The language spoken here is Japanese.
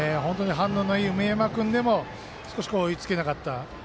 反応のいい梅山君でも少し追いつけなかった。